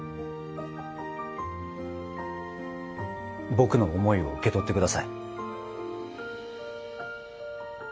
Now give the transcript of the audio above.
僕の思いを受け取って下さい。